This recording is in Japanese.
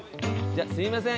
すいません。